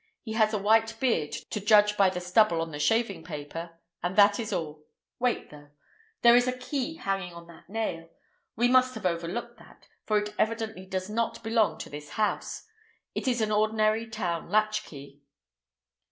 He has a white beard, to judge by the stubble on the shaving paper, and that is all. Wait, though. There is a key hanging on that nail. He must have overlooked that, for it evidently does not belong to this house. It is an ordinary town latchkey."